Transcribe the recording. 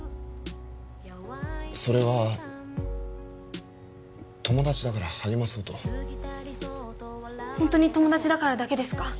それは友達だから励まそうとホントに友達だからだけですか？